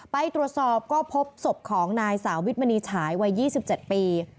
ไปตรวจสอบก็พบศพของนายสาวิทมณีฉายวัย๒๗ปี